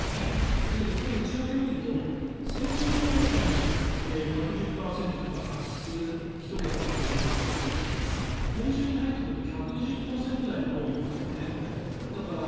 だけど、その内訳を見ると先週は確かに１１０％とか１桁ということですけど今週に入ってくると１２０％台が多いんですよね。